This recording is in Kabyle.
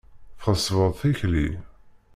Tɣeṣbeḍ tikli.